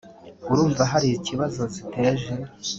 urumva hari ikibazo ziteje